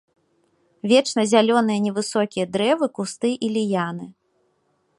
Вечназялёныя невысокія дрэвы, кусты і ліяны.